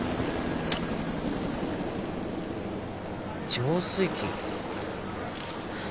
浄水器。